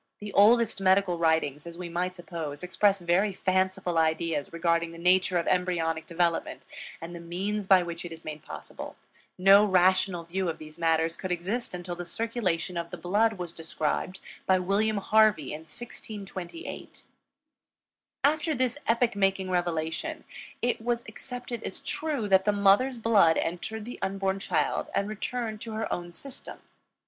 The oldest medical writings, as we might suppose, express very fanciful ideas regarding the nature of embryonic development and the means by which it is made possible; no rational view of these matters could exist until the circulation of the blood was described by William Harvey in 1628. After this epoch making revelation, it was accepted as true that the mother's blood entered the unborn child and returned to her own system.